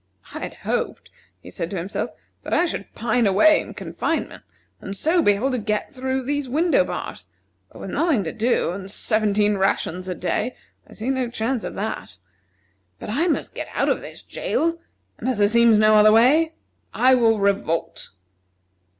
"I had hoped," he said to himself, "that I should pine away in confinement, and so be able to get through the window bars; but with nothing to do, and seventeen rations a day, I see no chance of that. But I must get out of this jail, and, as there seems no other way, I will revolt."